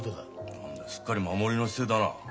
何だすっかり守りの姿勢だな。